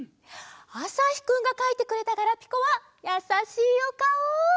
あさひくんがかいてくれたガラピコはやさしいおかお！